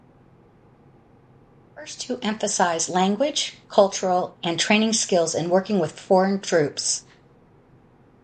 The first two emphasize language, cultural, and training skills in working with foreign troops.